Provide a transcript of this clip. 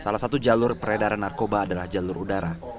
salah satu jalur peredaran narkoba adalah jalur udara